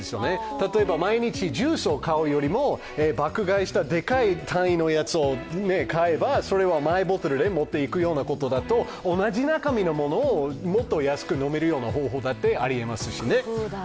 例えば毎日ジュースを買うよりも爆買いしたデカい単位のやつを買えばそれはマイボトルで持っていくようなことだと同じ中身のものをもっと安く飲める方法だってありますしね。